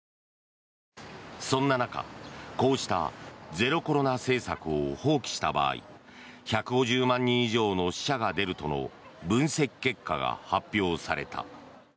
そんな中、こうしたゼロコロナ政策を放棄した場合１５０万人以上の死者が出るとの分析結果が発表された。